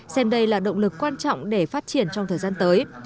xem đây là động lực quan trọng để phát triển trong thời gian tới